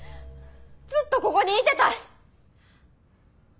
ずっとここにいてたい。